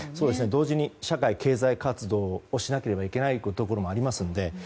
同時に社会経済活動をしなければいけないところもありますので。